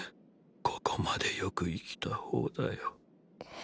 ここまでよく生きた方だよ。